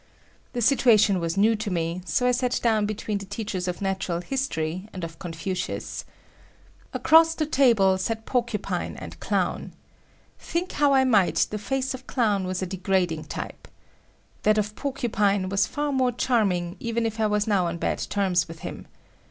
The situation was new to me, so I sat down between the teachers of natural history and of Confucius. Across the table sat Porcupine and Clown. Think how I might, the face of Clown was a degrading type. That of Porcupine was far more charming, even if I was now on bad terms with him.